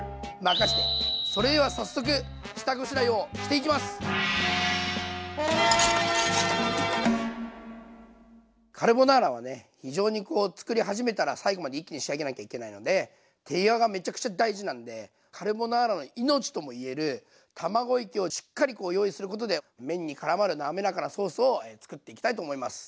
それでは早速カルボナーラはね非常にこう作り始めたら最後まで一気に仕上げなきゃいけないので手際がめちゃくちゃ大事なんでカルボナーラの命ともいえる卵液をしっかり用意することで麺にからまるなめらかなソースを作っていきたいと思います。